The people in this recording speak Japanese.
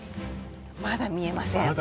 まだ見えません